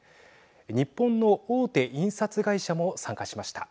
日本の大手印刷会社も参加しました。